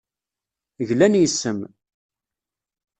Glan yes-m.